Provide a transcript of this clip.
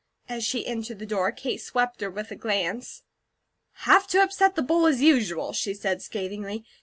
As she entered the door, Kate swept her with a glance. "Have to upset the bowl, as usual?" she said, scathingly.